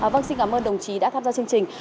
vâng xin cảm ơn đồng chí đã tham gia chương trình